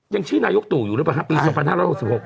ยังชื่อนายกตู่อยู่หรือเปล่าฮะปี๒๕๖๖